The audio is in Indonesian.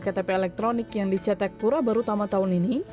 ada ktp elektronik yang dicetak pura baru tama tahun ini